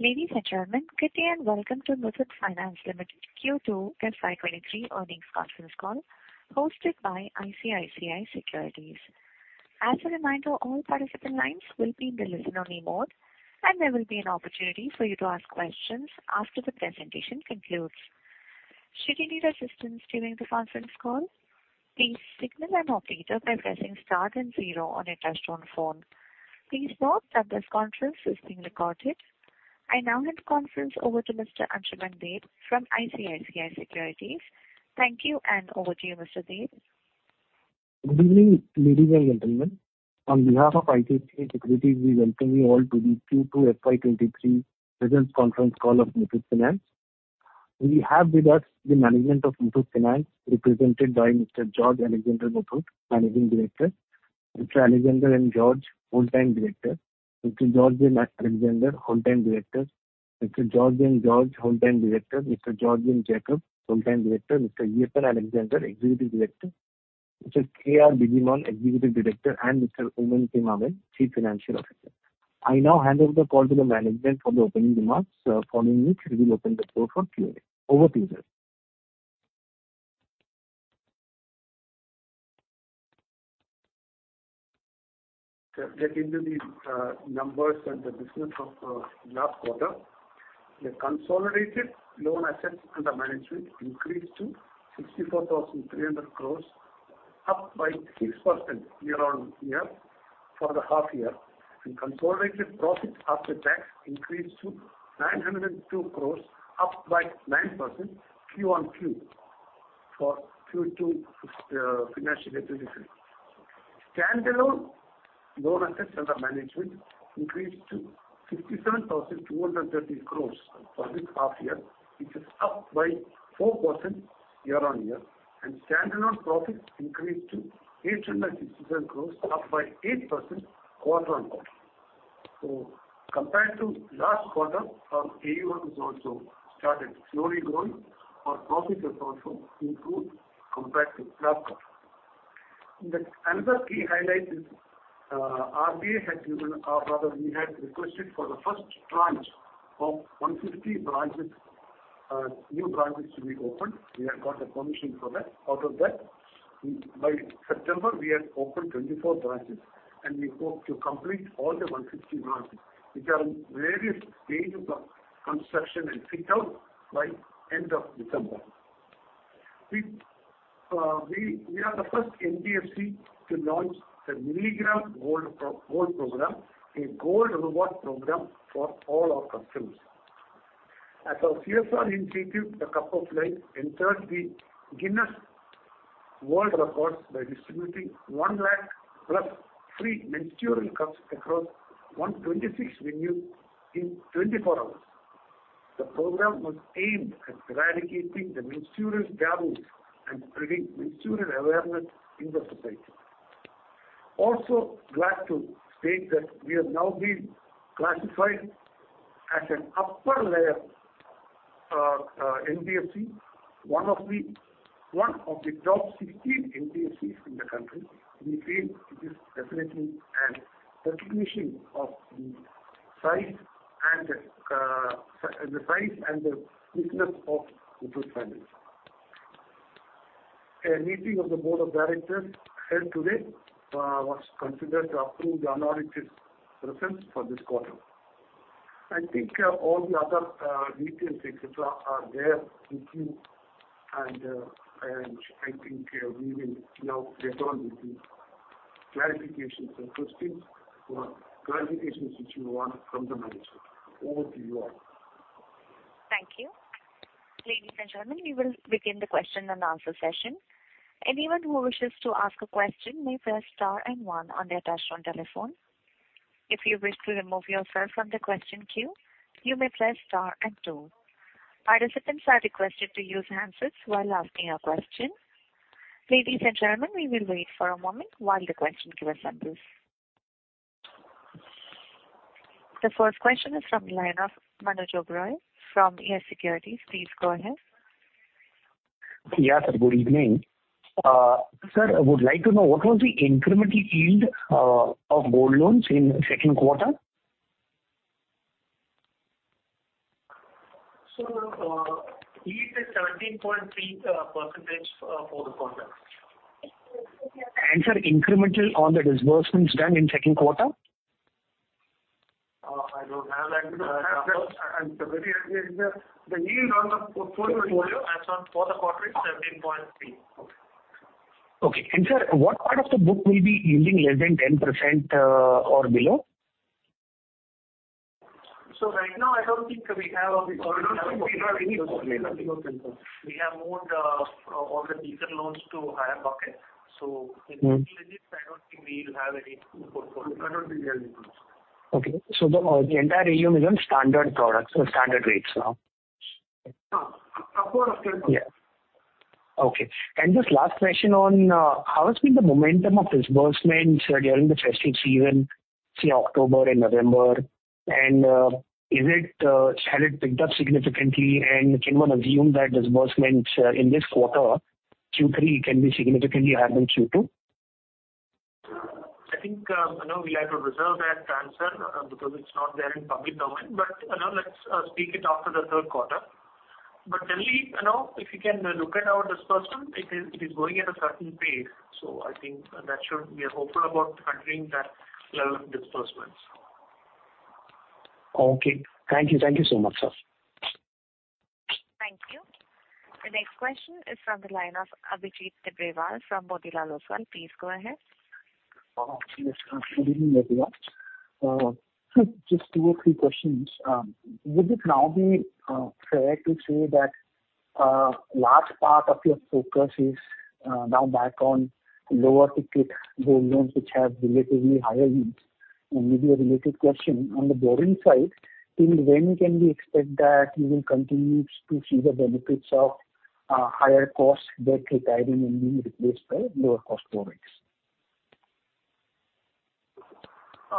Ladies and gentlemen, good day and welcome to Muthoot Finance Limited Q2 FY23 earnings conference call hosted by ICICI Securities. As a reminder, all participant lines will be in the listener-only mode, and there will be an opportunity for you to ask questions after the presentation concludes. Should you need assistance during the conference call, please signal an operator by pressing star then zero on your touchtone phone. Please note that this conference is being recorded. I now hand the conference over to Mr. Ansuman Deb from ICICI Securities. Thank you, and over to you, Mr. Deb. Good evening, ladies and gentlemen. On behalf of ICICI Securities, we welcome you all to the Q2 FY23 business conference call of Muthoot Finance. We have with us the management of Muthoot Finance represented by Mr. George Alexander Muthoot, Managing Director, Mr. Alexander M. George, Whole-Time Director, Mr. George M. Alexander, Whole-Time Director, Mr. George M. George, Whole-Time Director, Mr. George M. Jacob, Whole-Time Director. Mr. Eapen Alexander Muthoot, Executive Director, Mr. K.R. Bijimon, Executive Director, and Mr. Oommen K. Mammen, Chief Financial Officer. I now hand over the call to the management for the opening remarks, following which we will open the floor for Q&A. Over to you, sir. Get into the numbers and the business of last quarter. The consolidated loan assets under management increased to 64,300 crore, up by 6% year-on-year for the half year, and consolidated profit after tax increased to 902 crore, up by 9% Q-on-Q for Q2 financial year 2023. Standalone loan assets under management increased to 57,230 crore for this half year, which is up by 4% year-on-year. Standalone profit increased to 867 crore, up by 8% quarter-on-quarter. Compared to last quarter, our AUM has also started slowly growing. Our profit has also improved compared to last quarter. Another key highlight is, RBI had given, or rather we had requested for the first tranche of 150 branches, new branches to be opened. We have got the permission for that. Out of that, by September, we had opened 24 branches, and we hope to complete all the 150 branches which are in various stages of construction and fit out by end of December. We are the first NBFC to launch the Milligram Reward Programme, a gold reward program for all our customers. As our CSR initiative, the Cup of Life entered the Guinness World Records by distributing 1 lakh plus free menstrual cups across 126 venues in 24 hours. The program was aimed at eradicating the menstrual taboos and creating menstrual awareness in the society. Also glad to state that we have now been classified as an Upper Layer NBFC, one of the top 16 NBFCs in the country. We feel it is definitely a recognition of the size and the size and the thickness of Muthoot Finance. A meeting of the board of directors held today was considered to approve the unaudited results for this quarter. I think all the other details, et cetera, are there with you. I think we will now get on with the clarifications and questions or clarifications which you want from the management. Over to you all. Thank you. Ladies and gentlemen, we will begin the question-and-answer session. Anyone who wishes to ask a question may press star and one on their touchtone telephone. If you wish to remove yourself from the question queue, you may press star and two. Participants are requested to use handset while asking a question. Ladies and gentlemen, we will wait for a moment while the question queue assembles. The first question is from the line of Manoj Oberoi from YES Securities. Please go ahead. Yeah. Good evening. Sir, I would like to know what was the incremental yield of gold loans in second quarter? Yield is 17.3% for the quarter. Sir, incremental on the disbursements done in second quarter? I don't have that. The yield on the portfolio as of the quarter is 17.3%. Okay. Sir, what part of the book will be yielding less than 10%, or below? Right now, I don't think we have moved all the weaker loans to higher bucket. I don't think we'll have any portfolio. Okay. The entire AUM is on standard products or standard rates now? Yes. Okay. Just last question on how has been the momentum of disbursements during the festive season, say October and November? Has it picked up significantly? Can one assume that disbursements in this quarter, Q3, can be significantly higher than Q2? I think, you know, we'll have to reserve that answer, because it's not there in public domain. You know, let's speak it after the third quarter. Generally, you know, if you can look at our disbursement, it is going at a certain pace. I think that should be hopeful about maintaining that level of disbursements. Okay. Thank you. Thank you so much, sir. Thank you. The next question is from the line of Abhijit Tibrewal from Motilal Oswal. Please go ahead. Yes. Good evening, everyone. Just two or three questions. Would it now be fair to say that large part of your focus is now back on lower ticket gold loans which have relatively higher yields? Maybe a related question. On the borrowing side, till when can we expect that you will continue to see the benefits of higher cost debt retiring and being replaced by lower cost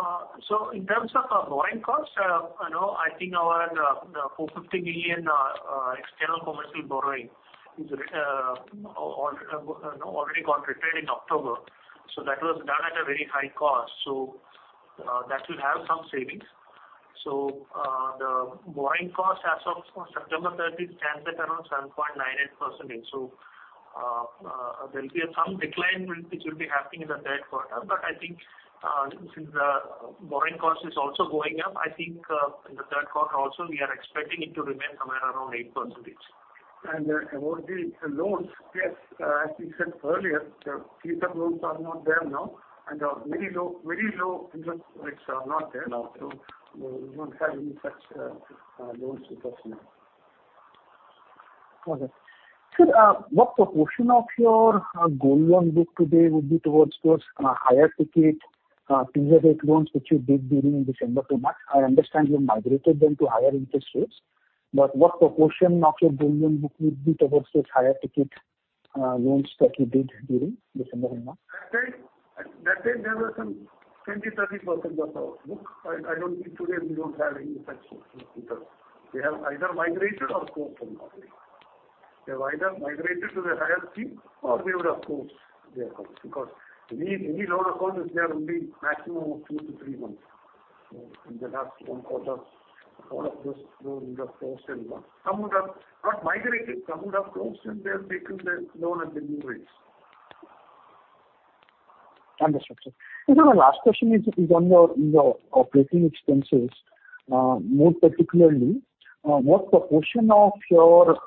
borrowings? In terms of our borrowing costs, you know, I think our $450 million external commercial borrowing is already got repaid in October. That was done at a very high cost. That will have some savings. The borrowing cost as of September 13th stands at around 7.98%. There'll be some decline, which will be happening in the third quarter. I think, since the borrowing cost is also going up, I think, in the third quarter also we are expecting it to remain somewhere around 8%. About the loans, yes, as we said earlier, the teaser loans are not there now and very low interest rates are not there now. We won't have any such loans with us now. Okay. Sir, what proportion of your gold loan book today would be towards those higher ticket teaser rate loans which you did during December to March? I understand you've migrated them to higher interest rates. What proportion of your gold loan book would be towards those higher ticket loans that you did during December to March? At that time there were some 20%-30% of our book. I don't think today we don't have any such book because they have either migrated or closed the loan. They have either migrated to the higher scheme or we would have closed their accounts because any loan account is there only maximum of 2-3 months. In the last one quarter, all of those loans have closed and gone. Some would have got migrated, some would have closed, and they have taken the loan at the new rates. Understood, sir. Sir, my last question is on your operating expenses. More particularly, what proportion of your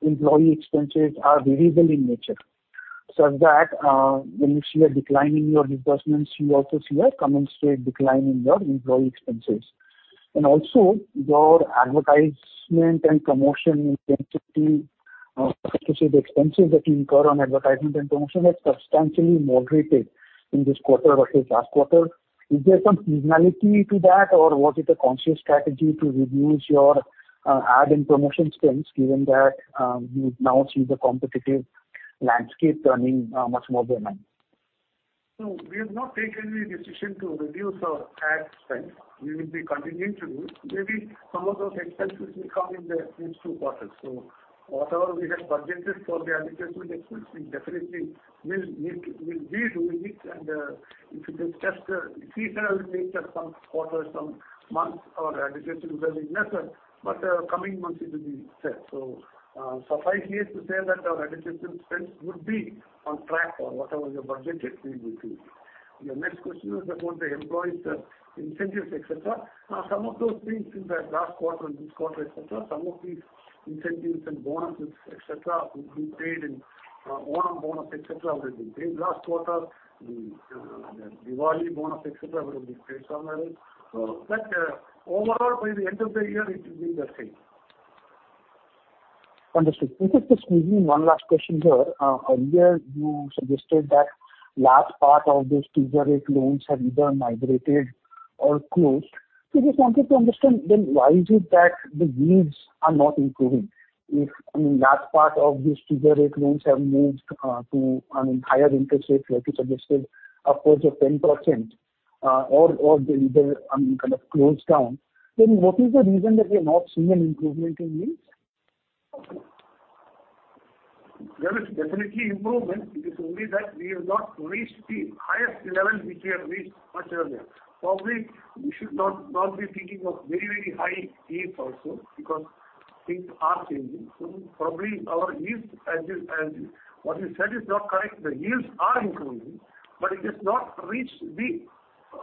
employee expenses are variable in nature, such that when you see a decline in your disbursements, you also see a commensurate decline in your employee expenses? Also your advertisement and promotion intensity, let's say the expenses that you incur on advertisement and promotion has substantially moderated in this quarter versus last quarter. Is there some seasonality to that, or was it a conscious strategy to reduce your ad and promotion spends given that you now see the competitive landscape turning much more dynamic? We have not taken any decision to reduce our ad spend. We will be continuing to do. Maybe some of those expenses will come in the next two quarters. Whatever we have budgeted for the advertisement expense, we definitely will meet, will be doing it. If it is just a seasonal nature, some quarters, some months our advertisement will be lesser, but, coming months it will be same. Suffice me to say that our advertisement spends would be on track or whatever we have budgeted, we will do. Your next question was about the employees, incentives, et cetera. Some of those things in the last quarter and this quarter, et cetera, some of these incentives and bonuses, et cetera, would be paid in, Onam bonus, et cetera, would have been paid last quarter. The Diwali bonus, et cetera, would have been paid somewhere else. Overall, by the end of the year it will be the same. Understood. If you could just maybe one last question here. Earlier you suggested that large part of those teaser rate loans have either migrated or closed. Just wanted to understand then why is it that the yields are not improving? If, I mean, large part of these teaser rate loans have moved to, I mean, higher interest rates, like you suggested, upwards of 10%, or they either, I mean, kind of closed down, then what is the reason that we are not seeing an improvement in yields? There is definitely improvement. It is only that we have not reached the highest level which we had reached much earlier. Probably we should not be thinking of very, very high yields also because things are changing. Probably our yields as is, what you said is not correct. The yields are improving, but it has not reached the-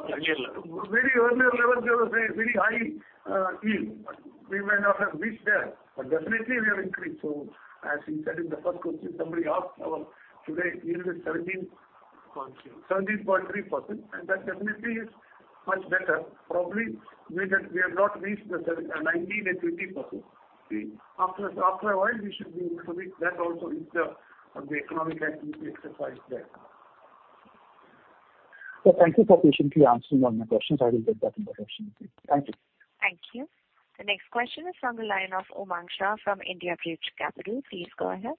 Earlier level. Very early level there was a very high yield, but we may not have reached there. Definitely we have increased. As you said in the first question, somebody asked our today's yield is 17%- 0.3. 17.3% and that definitely is much better. Probably we just we have not reached 19% and 20%. See, after a while we should be improving. That also is the of the economic activities exercise there. Sir, thank you for patiently answering all my questions. I will take that in the direction. Thank you. Thank you. The next question is from the line of Umang Shah from Kotak Securities. Please go ahead.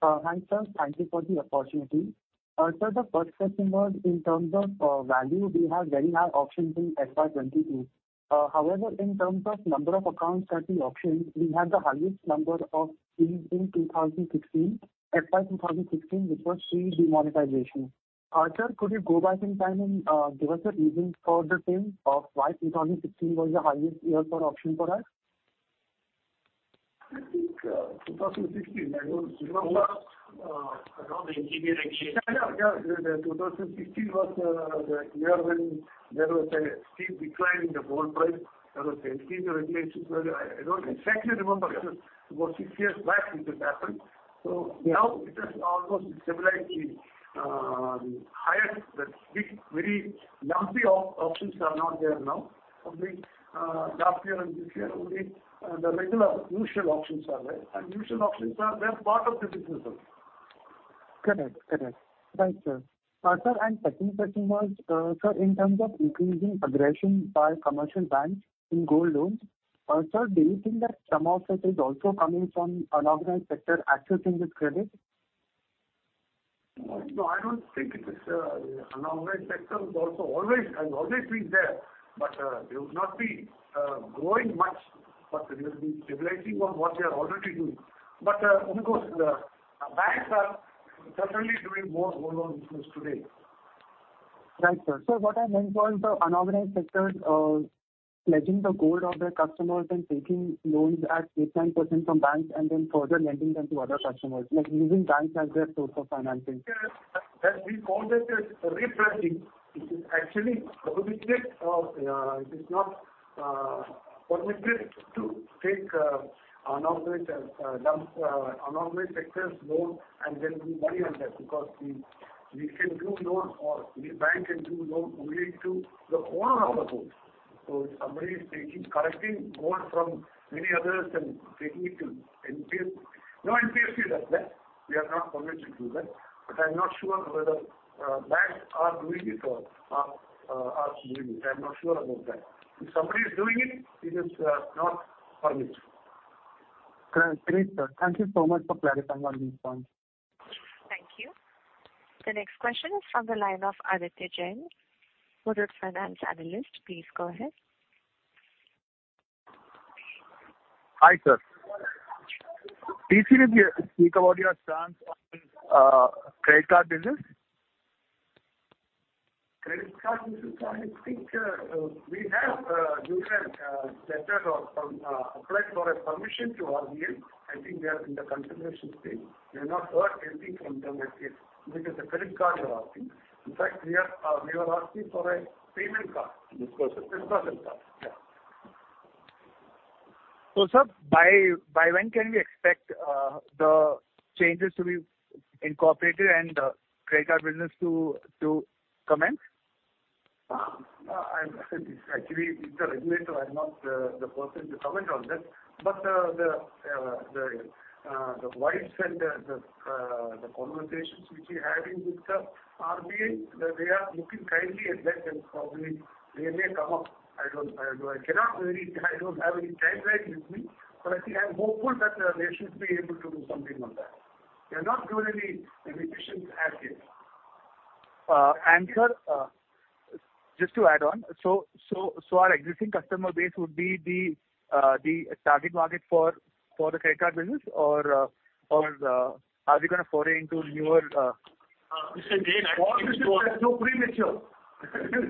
Hi, sir. Thank you for the opportunity. Sir, the first question was in terms of value. We have very high auctions in FY 22. However, in terms of number of accounts that we auctioned, we had the highest number of deals in 2016, FY 2016, which was pre-demonetization. Sir, could you go back in time and give us a reason for the same of why 2016 was the highest year for auction for us? I think, 2016, I don't remember. Around the NPA actually. Yeah, yeah. The 2016 was the year when there was a steep decline in the gold price. There was an increase in the regulations. Well, I don't exactly remember. It was about six years back it had happened. Now it has almost stabilized. The steep, very lumpy AUM options are not there now. Only last year and this year, only the regular usual options are there. Usual options are, they're part of the business. Correct. Right, sir. Sir, second question was, sir, in terms of increasing aggression by commercial banks in gold loans, sir, do you think that some of it is also coming from unorganized sector accessing this credit? No, I don't think it is. Unorganized sector has always been there. They would not be growing much, but they will be stabilizing on what they are already doing. Of course, the banks are certainly doing more gold loan business today. Right, sir. What I meant was the unorganized sector, pledging the gold of their customers and taking loans at 8%-9% from banks and then further lending them to other customers, like using banks as their source of financing. Yes. That we call that as repledging. It is actually prohibited. It is not permitted to take unorganized loans, unorganized sector's loan and then lend money on that, because we can do loans or the bank can do loan only to the owner of the gold. If somebody is taking, collecting gold from many others and taking it to NBFC, no NBFC does that. We are not permitted to do that. I'm not sure whether banks are doing it or are doing it. I'm not sure about that. If somebody is doing it is not permitted. Great, sir. Thank you so much for clarifying on these points. Thank you. The next question is from the line of Aditya Jain, Citi Analyst. Please go ahead. Hi, sir. Please can you speak about your stance on credit card business? Credit card business, I think, we have given a letter or something applied for permission to RBI. I think they are in the consideration stage. We have not heard anything from them as yet because the credit card we are asking. In fact, we were asking for a payment card. Prepaid card. Prepaid card. Yeah. Sir, by when can we expect the changes to be incorporated and the credit card business to commence? Actually it's the regulator. I'm not the person to comment on that. The vibes and the conversations which we're having with the RBI, that they are looking kindly at that and probably they may come up. I don't have any timeline with me, but I think I'm hopeful that they should be able to do something on that. They have not given any indications as yet. Sir, just to add on, so our existing customer base would be the target market for the credit card business or are we gonna foray into newer- This is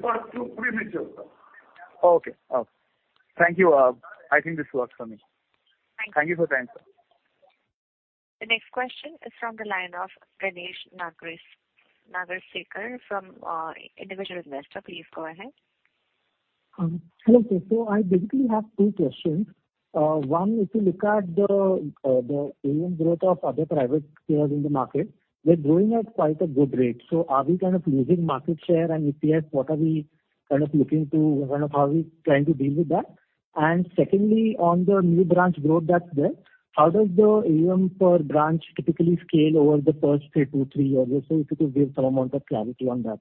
far too premature. Okay. Thank you. I think this works for me. Thank you. Thank you for the time, sir. The next question is from the line of Ganesh Nagarsekar from individual investor. Please go ahead. Hello, sir. I basically have two questions. One, if you look at the AUM growth of other private players in the market, they're growing at quite a good rate. Are we kind of losing market share and EPS? What are we kind of looking to do, kind of how are we trying to deal with that? Secondly, on the new branch growth that's there, how does the AUM per branch typically scale over the first two to three years? If you could give some amount of clarity on that.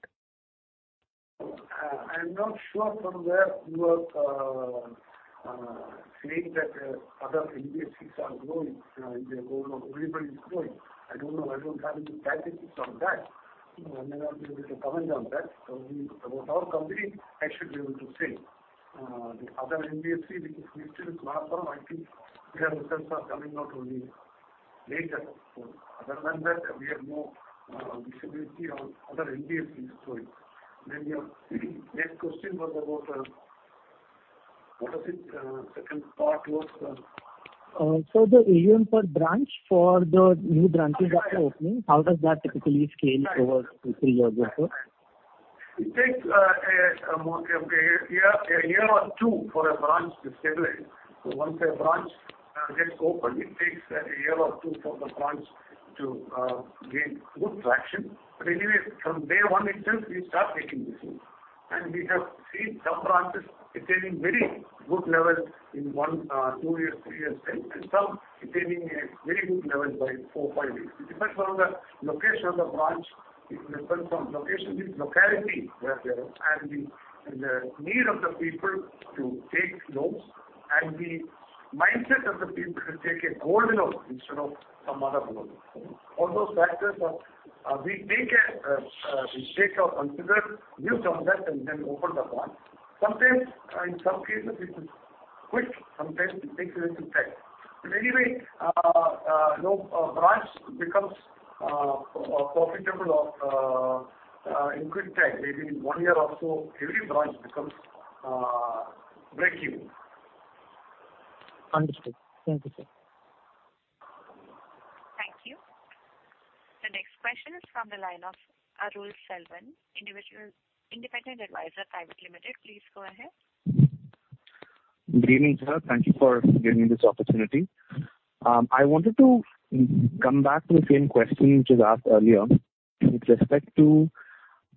I'm not sure from where you are saying that other NBFCs are growing. If they're growing or everybody's growing. I don't know. I don't have any statistics on that. I may not be able to comment on that. About our company, I should be able to say. The other NBFC because we still do not have, I think their results are coming out only later. Other than that, we have no visibility on other NBFCs growth. Then your next question was about. What was it? Second part was. The AUM per branch for the new branches that you're opening? Right. How does that typically scale? Right. Over two, three years, sir? Right. It takes a year or two for a branch to stabilize. Once a branch gets opened, it takes a year or two for the branch to gain good traction. Anyway, from day one itself, we start making business. We have seen some branches attaining very good levels in one, two years, three years time, and some attaining a very good level by four, five years. It depends on the location of the branch. It depends on location, means locality where they are, and the need of the people to take loans and the mindset of the people to take a gold loan instead of some other loan. All those factors are we take or consider view from that and then open the branch. Sometimes, in some cases it is quick, sometimes it takes a little time. Anyway, no branch becomes profitable in quick time. Maybe in one year or so every branch becomes breakeven. Understood. Thank you, sir. Thank you. The next question is from the line of Arun Selvan, Independent Advisor Private Limited. Please go ahead. Good evening, sir. Thank you for giving me this opportunity. I wanted to come back to the same question which was asked earlier with respect to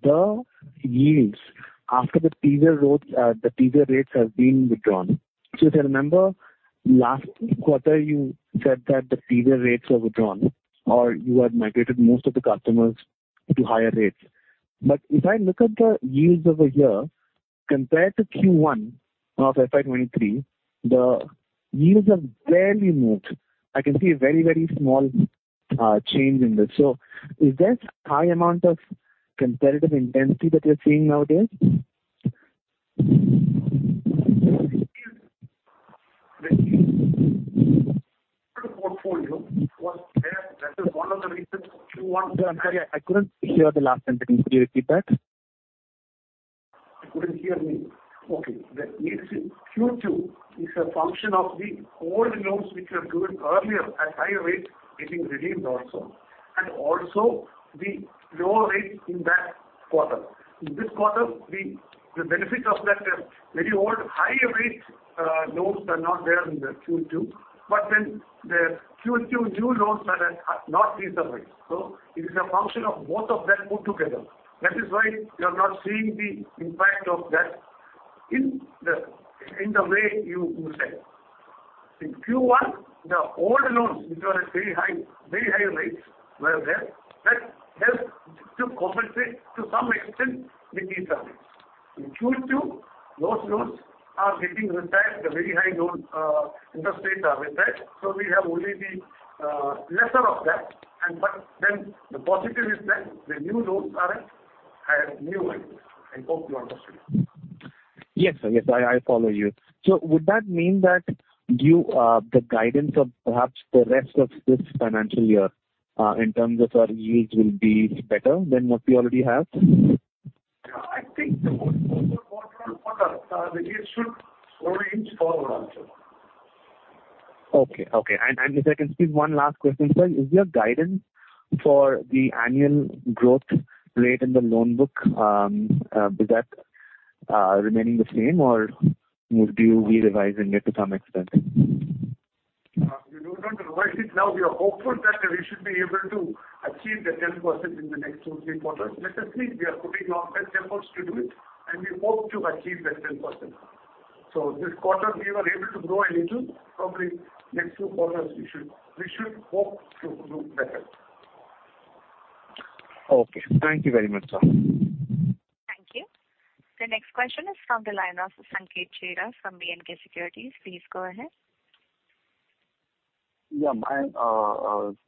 the yields after the teaser loans, the teaser rates have been withdrawn. If I remember last quarter you said that the teaser rates were withdrawn or you had migrated most of the customers to higher rates. If I look at the yields over here compared to Q1 of FY 2023, the yields have barely moved. I can see a very, very small change in this. Is there high amount of competitive intensity that you're seeing nowadays? Portfolio was there. That is one of the reasons Q1. I'm sorry, I couldn't hear the last sentence. Could you repeat that? You couldn't hear me? Okay. The yields in Q2 is a function of the old loans which were given earlier at higher rates getting redeemed also, and also the lower rates in that quarter. In this quarter, the benefit of that very old higher rate loans are not there in the Q2. The Q2 new loans are at not teaser rates. It is a function of both of them put together. That is why you are not seeing the impact of that in the way you said. In Q1, the old loans which were at very high rates were there. That helped to compensate to some extent the teaser rates. In Q2, those loans are getting retired. The very high loan interest rates are retired. We have only the lesser of that. The positive is that the new loans are at higher new rates. I hope you understood. Yes, sir. Yes, I follow you. Would that mean that you, the guidance of perhaps the rest of this financial year, in terms of our yields will be better than what we already have? Yeah, I think the quarter-on-quarter yield should inch forward also. Okay. If I can squeeze one last question, sir. Is your guidance for the annual growth rate in the loan book remaining the same or would you be revising it to some extent? We don't want to revise it now. We are hopeful that we should be able to achieve the 10% in the next two, three quarters. Let us see. We are putting our best efforts to do it, and we hope to achieve that 10%. This quarter we were able to grow a little. Probably next two quarters we should hope to do better. Okay. Thank you very much, sir. Thank you. The next question is from the line of Sanket Chheda from B&K Securities. Please go ahead. Yeah. My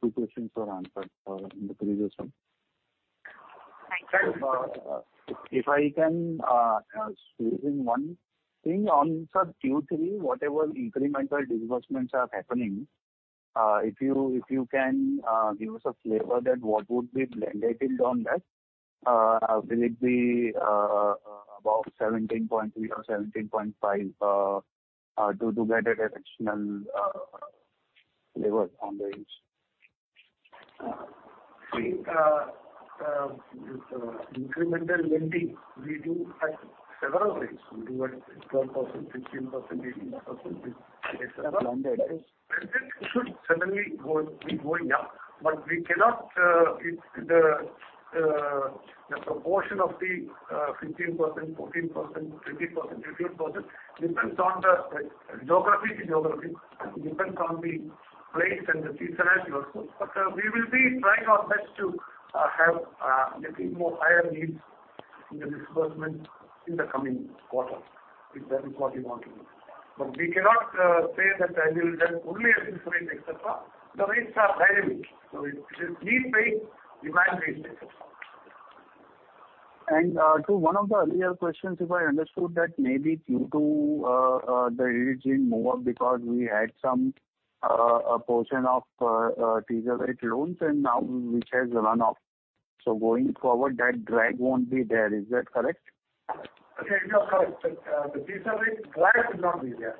two questions were answered in the previous one. Thank you. If I can squeeze in one thing on, sir, Q3, whatever incremental disbursements are happening, if you can give us a flavor of what would be blended in on that. Will it be about 17.3% or 17.5% to get a directional level on the range? This incremental lending we do at several rates. We do at 12%, 15%, 18%, et cetera. Blended. It should suddenly be going up, but we cannot if the proportion of the 15%, 14%, 20%, 15% depends on the geography. Geography depends on the place and the seasonality also. We will be trying our best to get higher yields in the disbursement in the coming quarters, if that is what you want to know. We cannot say that we will have only a fixed rate, et cetera. The rates are dynamic, so it is need-based evaluation, et cetera. To one of the earlier questions, if I understood that maybe Q2, the yields being more because we had some a portion of teaser rate loans and now which has run off. Going forward that drag won't be there. Is that correct? Okay. You are correct. The teaser rate drag will not be there.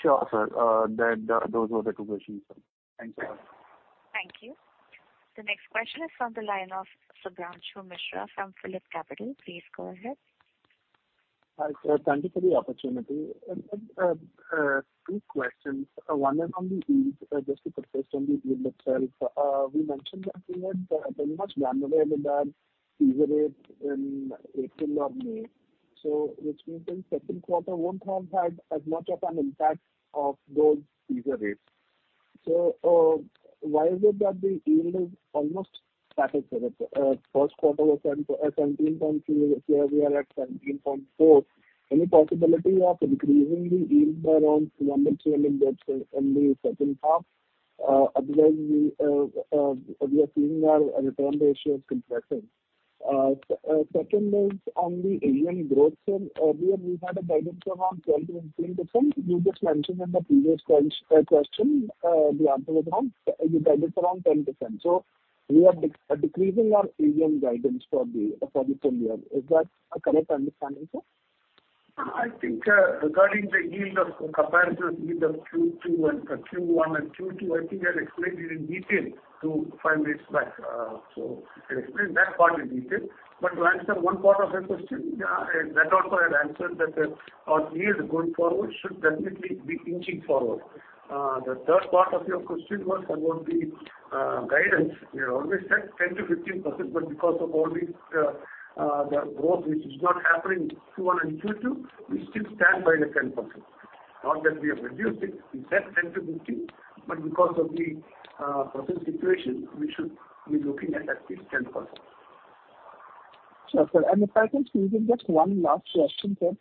Sure, sir. Those were the two questions, sir. Thanks, sir. Thank you. The next question is from the line of Shubhranshu Mishra from PhillipCapital. Please go ahead. Hi, sir. Thank you for the opportunity. Two questions. One is on the yield. Just to focus on the yield itself. We mentioned that we had very much done away with the teaser rates in April or May. Which means then second quarter won't have had as much of an impact of those teaser rates. Why is it that the yield is almost static, sir? It's first quarter was 17.2%. Here we are at 17.4%. Any possibility of increasing the yield by around 1%-2% in the second half? Otherwise, we are seeing our return ratio is compressing. Second is on the AUM growth. Earlier we had a guidance around 10%-15%. You just mentioned in the previous question, the answer was around, you guided around 10%. We are decreasing our AUM guidance for the full year. Is that a correct understanding, sir? I think, regarding the yield comparison with the Q2 and Q1 and Q2, I think I explained it in detail 2-5 minutes back. I explained that part in detail. To answer one part of your question, yeah, that also I answered that our yield going forward should definitely be inching forward. The third part of your question was about the guidance. We have always said 10%-15%, but because of all these, the growth which is not happening Q1 and Q2, we still stand by the 10%. Not that we have reduced it. We said 10%-15%, but because of the present situation, we should be looking at least 10%. Sure, sir. If I can squeeze in just one last question, sir.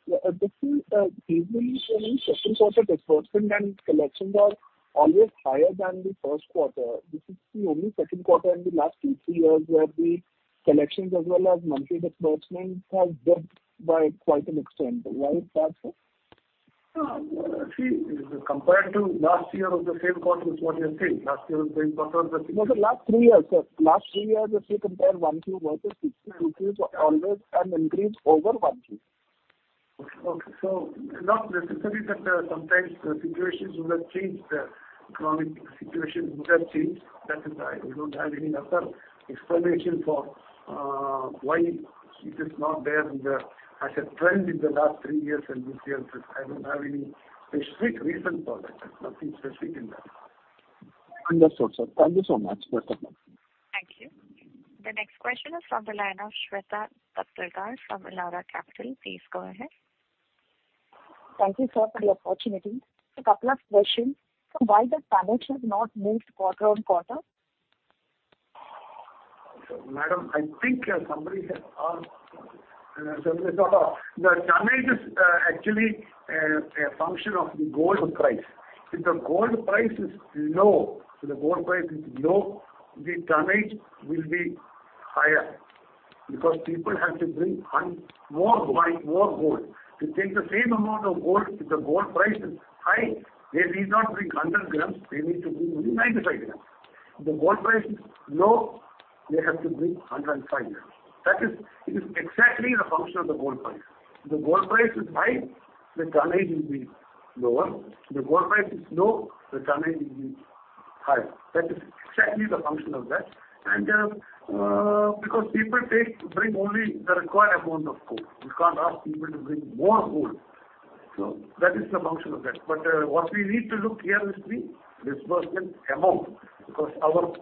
This is usually so many systems also disbursement and collections are always higher than the first quarter. This is the only second quarter in the last 2-3 years where the collections as well as monthly disbursements have dipped by quite an extent. Why is that, sir? No, see, compared to last year of the same quarter is what you are saying. Last year of the same quarter was. No, sir, last three years, sir. Last three years if you compare 1Q versus 6Q, always an increase over 1Q. Okay. Not necessarily that, sometimes the situations would have changed, the economic situation would have changed. That is I don't have any other explanation for why it is not there in the, as a trend in the last three years and this year. I don't have any specific reason for that. There's nothing specific in that. Understood, sir. Thank you so much. First of all. Thank you. The next question is from the line of Shweta Daptardar from Elara Capital. Please go ahead. Thank you, sir, for the opportunity. A couple of questions. Why the tonnage has not moved quarter-on-quarter? Madam, I think somebody has asked. The tonnage is actually a function of the gold price. If the gold price is low, the tonnage will be higher because people have to bring more gold. To take the same amount of gold, if the gold price is high, they need not bring 100 g. They need to bring only 95 g. If the gold price is low, they have to bring 105 g. That is, it is exactly the function of the gold price. If the gold price is high, the tonnage will be lower. If the gold price is low, the tonnage will be high. That is exactly the function of that and because people bring only the required amount of gold. You can't ask people to bring more gold. That is the function of that. What we need to look here is the disbursement amount, because our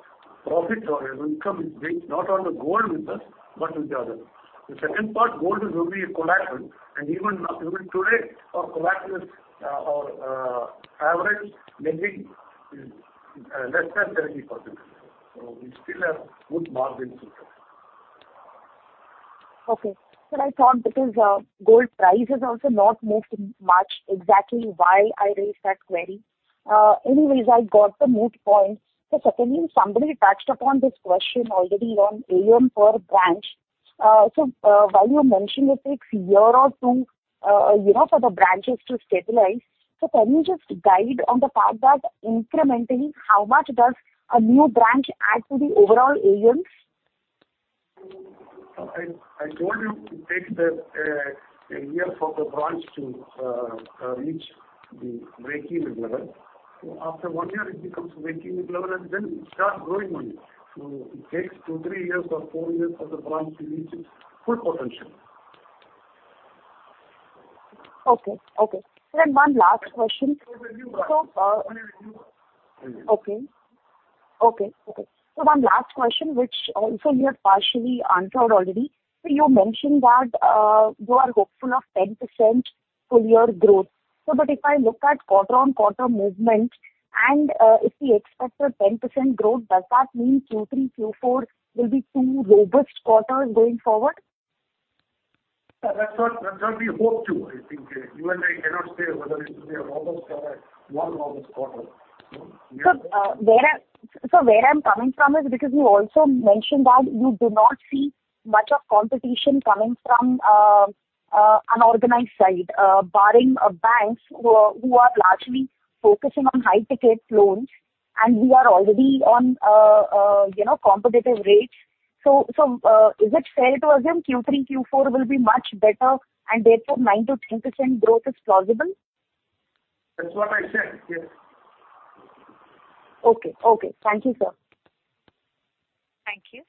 profits or our income is based not on the gold with us, but with the other. The second part, gold is only a collateral, and even today our average lending is less than 30%. We still have good margin to cover. Okay. I thought because gold price has also not moved much, exactly why I raised that query. Anyways, I got the moot points. Secondly, somebody touched upon this question already on AUM per branch. While you mention it takes a year or two, you know, for the branches to stabilize. Can you just guide on the fact that incrementally how much does a new branch add to the overall AUMs? I told you it takes a year for the branch to reach the break-even level. After one year it becomes break-even level and then it starts growing only. It takes two, three years or four years for the branch to reach its full potential. Okay. One last question. It's a new branch. Only the new branch. Okay. One last question, which also you have partially answered already. You mentioned that you are hopeful of 10% full year growth. But if I look at quarter-on-quarter movement and if we expect a 10% growth, does that mean Q3, Q4 will be two robust quarters going forward? That's what we hope to. I think you and I cannot say whether it will be a robust or a non-robust quarter. Sir, where I'm coming from is because you also mentioned that you do not see much of competition coming from unorganized side, barring banks who are largely focusing on high ticket loans and who are already on, you know, competitive rates. Is it fair to assume Q3, Q4 will be much better and therefore 9%-10% growth is plausible? That's what I said, yes. Okay. Thank you, sir. Thank you.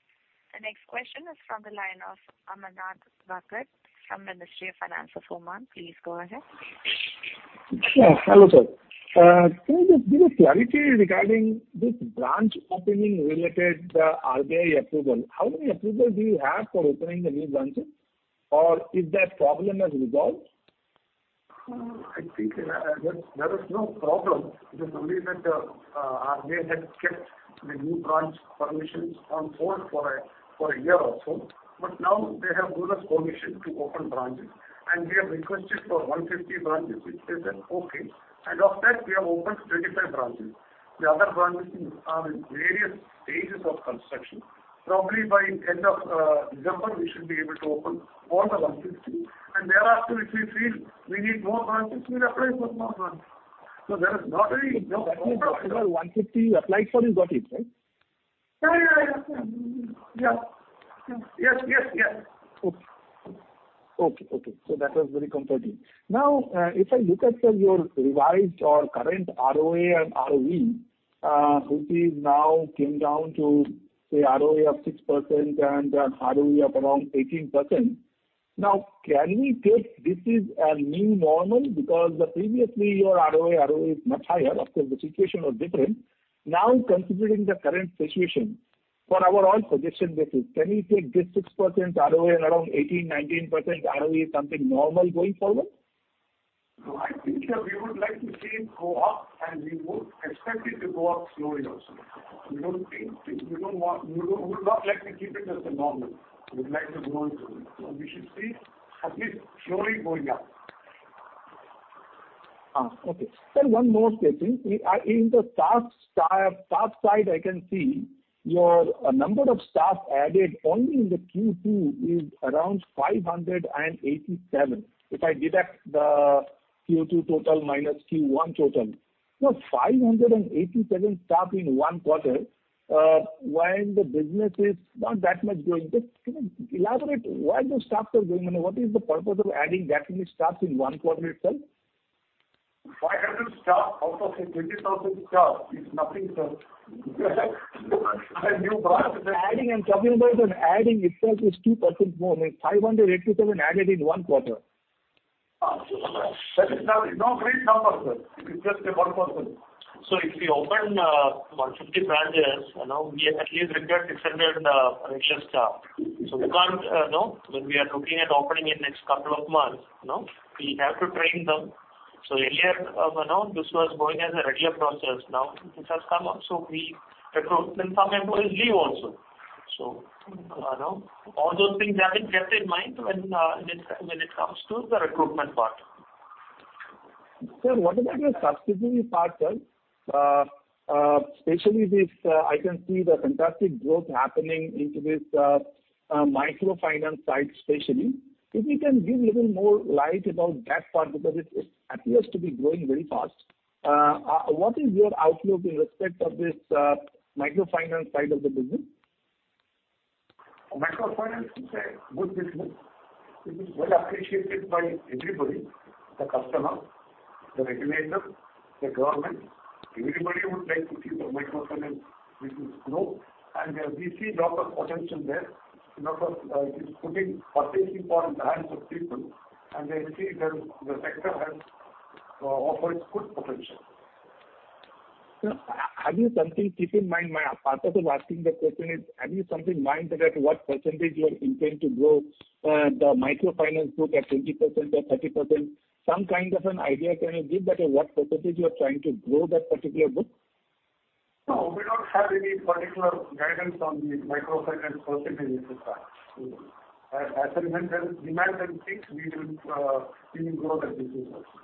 The next question is from the line of Amarnath Bhakat from Ministry of Finance of Oman. Please go ahead. Yeah, hello sir. Can you just give a clarity regarding this branch opening related, RBI approval? How many approval do you have for opening the new branches or if that problem has resolved? I think there is no problem. It is only that RBI had kept the new branch permissions on hold for a year or so. Now they have permission to open branches, and we have requested for 150 branches. They said, "Okay." Of that, we have opened 35 branches. The other branches are in various stages of construction. Probably by end of December, we should be able to open all the 150. Thereafter, if we feel we need more branches, we'll apply for more branches. There is not any- That means out of the 150 you applied for, you got it, right? Yeah, yeah. Yes. Yes. Yes. Yes. Okay. That was very comforting. Now, if I look at your revised or current ROA and ROE, which is now came down to, say, ROA of 6% and ROE of around 18%. Now, can we take this is a new normal, because previously your ROA, ROE is much higher? Of course, the situation was different. Now, considering the current situation, for our own projection basis, can we take this 6% ROA and around 18%-19% ROE is something normal going forward? No, I think that we would like to see it go up, and we would expect it to go up slowly also. We don't think, we don't want, we would not like to keep it as a normal. We'd like to grow into it. We should see at least slowly going up. Sir, one more question. In the staff side, I can see your number of staff added only in the Q2 is around 587. If I deduct the Q2 total minus Q1 total. 587 staff in one quarter, when the business is not that much going. Just can you elaborate why those staffs are going and what is the purpose of adding that many staffs in one quarter itself? 500 staff out of, say, 20,000 staff is nothing, sir. Adding and telling us that adding itself is 2% more. 587 added in one quarter. That is nothing. No great number, sir. It's just a 1%. If we open 150 branches, you know, we at least require 600 additional staff. We can't, you know, when we are looking at opening in next couple of months, you know, we have to train them. Earlier, you know, this was going as a regular process. Now this has come up, so we recruit. Then some employees leave also. You know, all those things have been kept in mind when it comes to the recruitment part. Sir, one is like a subsidy part, sir. Especially this, I can see the fantastic growth happening into this, microfinance side especially. If you can give little more light about that part, because it appears to be growing very fast. What is your outlook in respect of this, microfinance side of the business? Microfinance is a good business. It is well appreciated by everybody, the customer, the regulator, the government. Everybody would like to see the microfinance business grow. We see lot of potential there in terms of it putting purchasing power in the hands of people. We see the sector offers good potential. Sir, have you something to keep in mind? My purpose of asking the question is, have you something in mind that at what percentage you intend to grow the microfinance book at 20% or 30%? Some kind of an idea can you give that at what percentage you are trying to grow that particular book? No, we don't have any particular guidance on the microfinance percentage itself. As demand and things, we will grow that business also.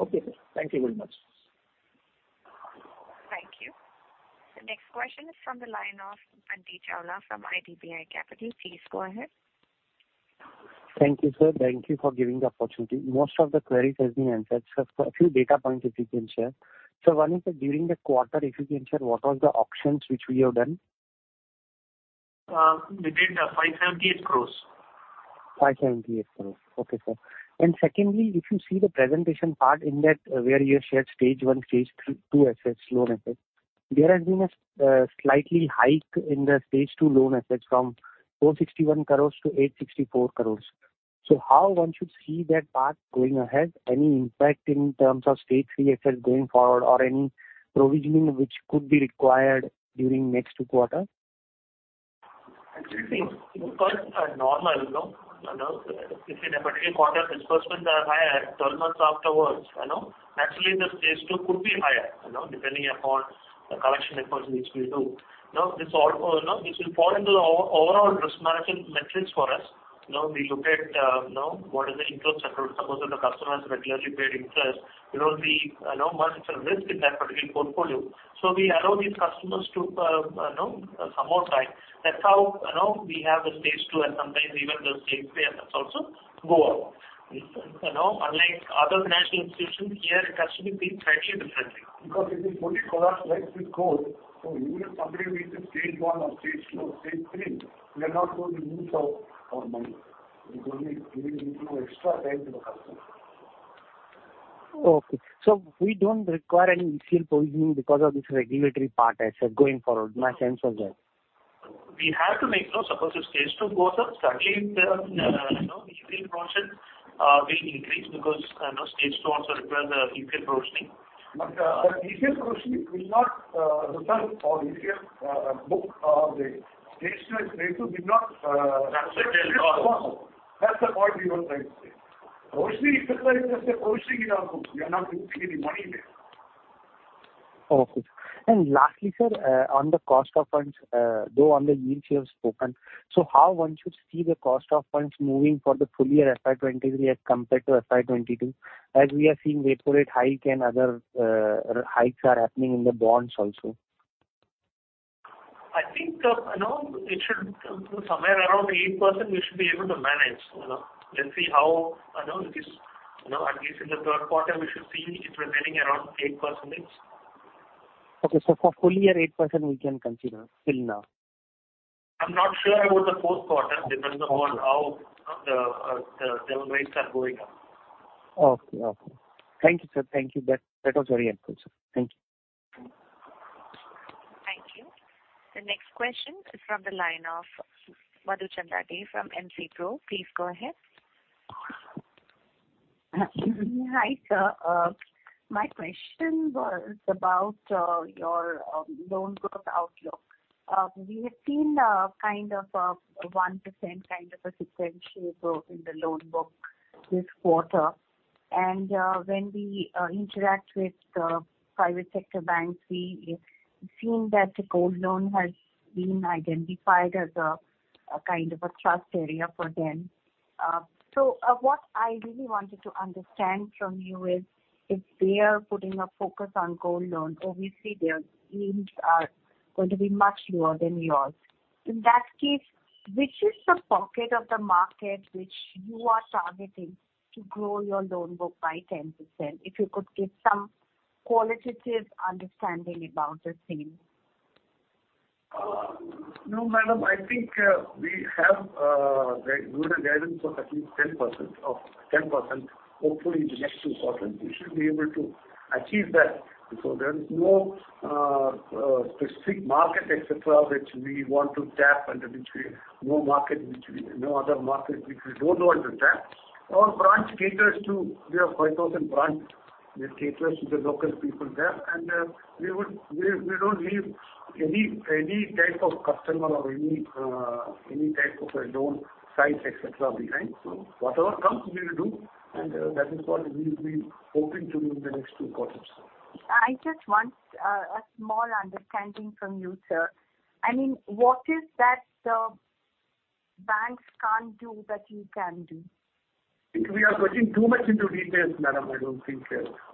Okay, sir. Thank you very much. Thank you. The next question is from the line of Aditi Jha from IDBI Capital. Please go ahead. Thank you, sir. Thank you for giving the opportunity. Most of the queries has been answered. Sir, a few data points if you can share. Sir, one is that during the quarter, if you can share what was the auctions which we have done. We did 578 crore. 578 crore. Okay, sir. Secondly, if you see the presentation part in that where you have shared Stage 1, Stage 2 assets, loan assets, there has been a slight hike in the Stage 2 loan assets from 461 crore to 864 crore. How one should see that part going ahead? Any impact in terms of Stage 3 assets going forward or any provisioning which could be required during next two quarters? Actually, things occur normally, you know. You know, if in a particular quarter disbursements are higher, 12 months afterwards, you know, naturally the Stage 2 could be higher, you know, depending upon the collection efforts which we do. You know, this all, you know, this will fall into the overall risk management metrics for us. You know, we look at, you know, what is the interest accrual. Suppose if the customer has regularly paid interest, you know, we allow much more risk in that particular portfolio. So we allow these customers to, you know, some more time. That's how, you know, we have the Stage 2 and sometimes even the Stage 3 assets also go up. You know, unlike other financial institutions, here it has to be treated slightly differently. Because it is fully collateralized with gold. Even somebody reaches Stage 1 or Stage 2 or Stage 3, we are not going to lose our money. It's only giving extra time to the customer. Okay. We don't require any ECL provisioning because of this regulatory part, I said, going forward. My sense was that. We have to make sure suppose the Stage 2 goes up, naturally the you know, the ECL provisions will increase because you know, Stage 2 also requires ECL provisioning. The ECL provisioning will not return on ECL book. The Stage 2 and Stage 3 did not- That's what I was trying to say. That's the point we were trying to say. Provisioning is just like a provisioning in our book. We are not losing any money there. Awesome. Lastly, sir, on the cost of funds, though on the yields you have spoken, so how one should see the cost of funds moving for the full year FY23 as compared to FY22, as we are seeing repo rate hike and other, hikes are happening in the bonds also. I think, you know, it should come to somewhere around 8% we should be able to manage, you know. Let's see how, you know, it is. You know, at least in the third quarter we should see it remaining around 8%. Okay. For full year 8% we can consider till now? I'm not sure about the fourth quarter. Depends upon how, you know, the rates are going up. Okay. Thank you, sir. That was very helpful, sir. Thank you. Thank you. The next question is from the line of Madhu Chandak from MC Pro. Please go ahead. Hi, sir. My question was about your loan growth outlook. We have seen 1% kind of a sequential growth in the loan book this quarter. When we interact with the private sector banks, we have seen that the gold loan has been identified as a kind of a trust area for them. What I really wanted to understand from you is if they are putting a focus on gold loans, obviously their yields are going to be much lower than yours. In that case, which is the pocket of the market which you are targeting to grow your loan book by 10%? If you could give some qualitative understanding about the same. No, madam, I think we have very good guidance of at least 10%. Hopefully in the next two quarters we should be able to achieve that because there is no specific market, et cetera. No other market which we don't want to tap. We have 5,000 branches, which cater to the local people there. We don't leave any type of customer or any type of a loan size, et cetera, behind. Whatever comes we will do, and that is what we've been hoping to do in the next two quarters. I just want a small understanding from you, sir. I mean, what is that banks can't do that you can do? I think we are getting too much into details, madam. I don't think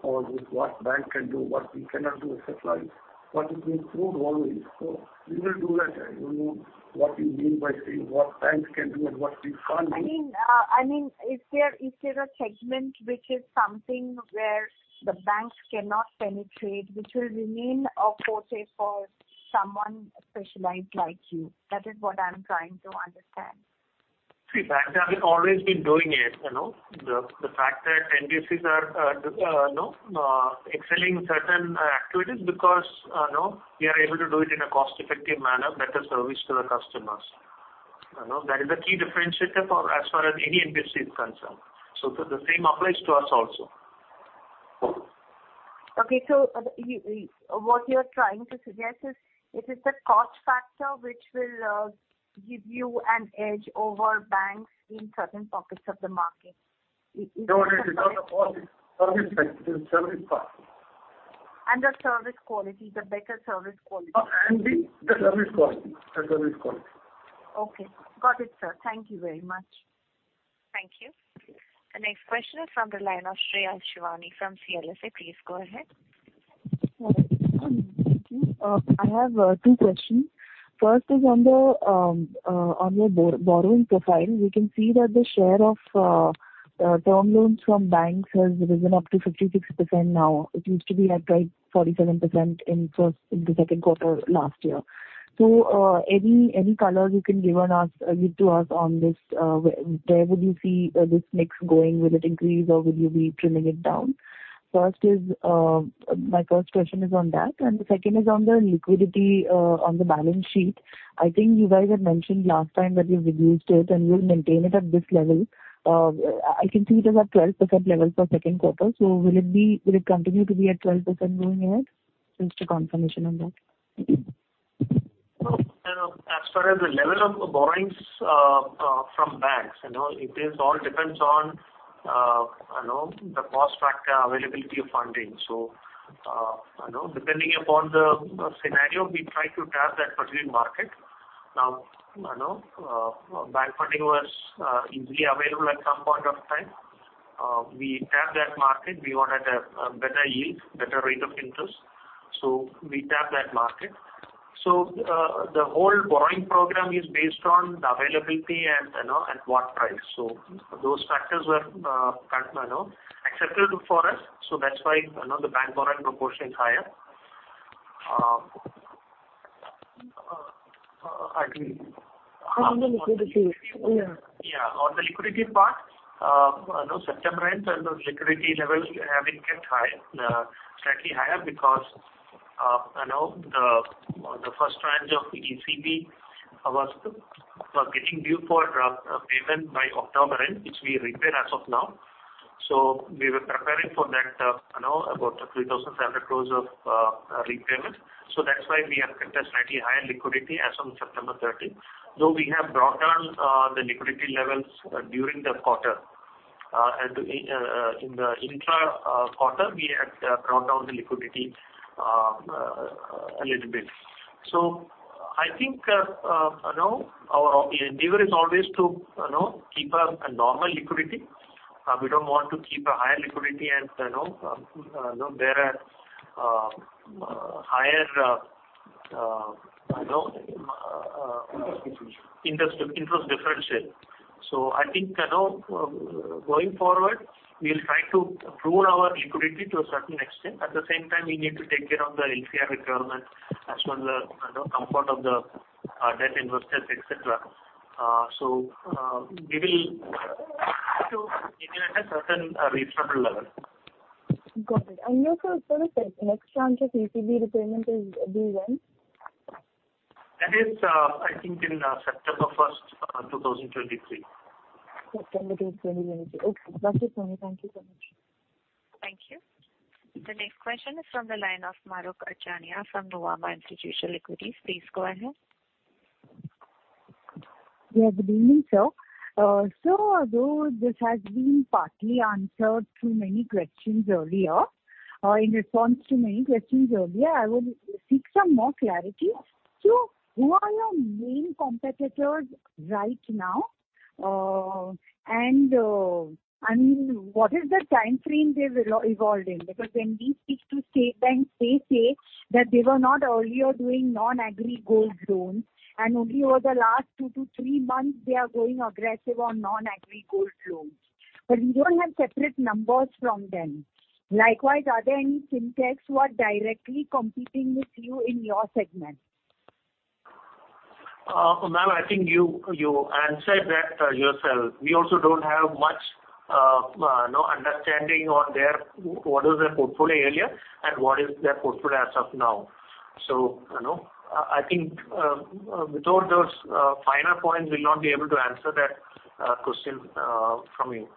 on this what bank can do, what we cannot do, et cetera. Want to be improved always. We will do that. I don't know what you mean by saying what banks can do and what we can't do. I mean, is there a segment which is something where the banks cannot penetrate, which will remain a forte for someone specialized like you? That is what I'm trying to understand. See, banks have always been doing it, you know. The fact that NBFCs are, you know, excelling certain activities because, you know, we are able to do it in a cost-effective manner, better service to the customers. You know? That is the key differentiator as far as any NBFC is concerned. The same applies to us also. Okay. What you're trying to suggest is, it is the cost factor which will give you an edge over banks in certain pockets of the market. Is it correct? No, it is not the cost. Service, it is service part. The service quality, the better service quality. The service quality. Okay. Got it, sir. Thank you very much. Thank you. The next question is from the line of Shreya Shivani from CLSA. Please go ahead. Hello. Thank you. I have two questions. First is on your borrowing profile. We can see that the share of term loans from banks has risen up to 56% now. It used to be at like 47% in the first, in the second quarter last year. Any color you can give to us on this, where would you see this mix going? Will it increase or will you be trimming it down? First is my first question is on that. The second is on the liquidity on the balance sheet. I think you guys had mentioned last time that you've reduced it and you'll maintain it at this level. I can see it is at 12% level for second quarter. Will it be, will it continue to be at 12% going ahead? Just a confirmation on that. No. You know, as far as the level of borrowings from banks, you know, it all depends on you know, the cost factor, availability of funding. You know, depending upon the scenario, we try to tap that particular market. Now, you know, bank funding was easily available at some point of time. We tap that market. We wanted a better yield, better rate of interest. So we tap that market. The whole borrowing program is based on the availability and, you know, at what price. Those factors were kind of acceptable for us. That's why, you know, the bank borrowing proportion is higher. I agree. On the liquidity. Yeah. Yeah, on the liquidity part, you know, September end, you know, liquidity levels have been kept high, slightly higher because, you know, the first tranche of ECB was getting due for payment by October end, which we repaid as of now. We were preparing for that, you know, about 3,700 crores of repayment. That's why we have kept a slightly higher liquidity as on September 13. Though we have brought down the liquidity levels during the quarter. In the intra quarter, we had brought down the liquidity a little bit. I think, you know, our endeavor is always to, you know, keep a normal liquidity. We don't want to keep a higher liquidity as, you know, you know, there are higher, you know. Interest differential. Interest differential. I think, you know, going forward, we'll try to prune our liquidity to a certain extent. At the same time, we need to take care of the LCR requirement as well as the, you know, comfort of the debt investors, et cetera. We will maintain a certain reasonable level. Got it. Also, sir, next tranche of ECB repayment is due when? That is, I think in September 1st, 2023. September 1st, 2023. Okay. That's it, sir. Thank you so much. Thank you. The next question is from the line of Mahrukh Adajania from Nuvama Institutional Equities. Please go ahead. Good evening, sir. Sir, although this has been partly answered through many questions earlier, in response to many questions earlier, I would seek some more clarity. Who are your main competitors right now? What is the time frame they've evolved in, because when we speak to state banks, they say that they were not earlier doing non-agri gold loans, and only over the last 2-3 months they are going aggressive on non-agri gold loans? But we don't have separate numbers from them. Likewise, are there any FinTechs who are directly competing with you in your segment? Ma'am, I think you answered that yourself. We also don't have much, you know, understanding on their, what is their portfolio earlier and what is their portfolio as of now. You know, I think, without those finer points, we'll not be able to answer that question from you.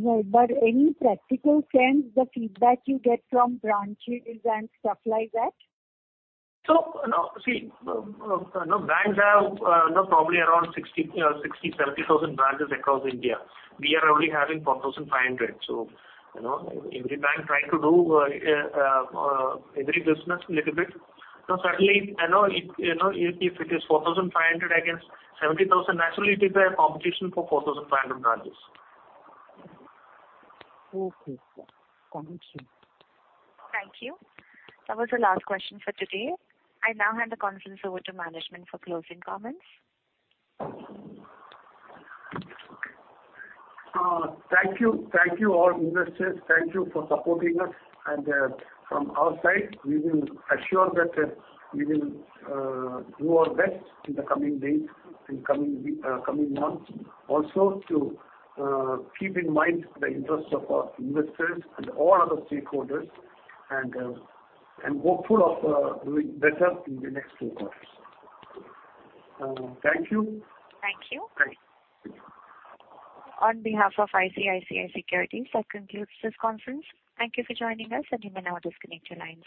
Right. In any practical sense, the feedback you get from branches and stuff like that? No. See, you know, banks have, you know, probably around 60-70,000 branches across India. We are only having 4,500. You know, every bank trying to do every business little bit. Certainly, you know, if, you know, if it is 4,500 against 70,000, naturally it is a competition for 4,500 branches. Okay. Got it. Thank you. That was the last question for today. I now hand the conference over to management for closing comments. Thank you. Thank you all investors. Thank you for supporting us. From our side, we will assure that we will do our best in the coming days, in coming week, coming months, also to keep in mind the interest of our investors and all other stakeholders, and hopeful of doing better in the next two quarters. Thank you. Thank you. Thank you. On behalf of ICICI Securities, that concludes this conference. Thank you for joining us, and you may now disconnect your lines.